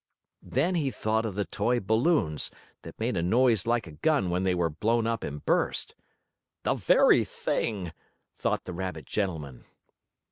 Then he thought of the toy balloons, that made a noise like a gun when they were blown up and burst. "The very thing!" thought the rabbit gentleman.